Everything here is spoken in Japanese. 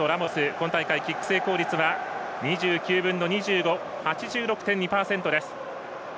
今大会キック成功率は２９分の２５８６．２％です。